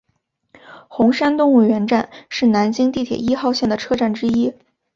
红山动物园站是南京地铁一号线的车站之一。